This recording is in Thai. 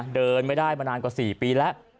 เดินไม่ได้มานานกว่า๔ปีแล้ว